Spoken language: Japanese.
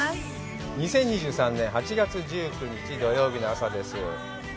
２０２３年８月１９日土曜日の朝です。